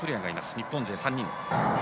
日本勢３人。